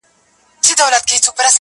o که یاران وي که شراب بس چي زاړه وي,